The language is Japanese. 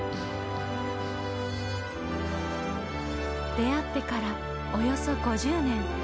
出会ってからおよそ５０年。